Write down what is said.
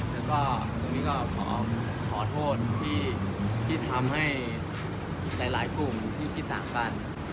แล้วก็ตรงนี้ก็ขอโทษที่ทำให้หลายกลุ่มที่คิดต่างกัน